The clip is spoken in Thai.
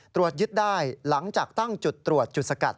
ตรวจยึดได้หลังจากตั้งจุดตรวจจุดสกัด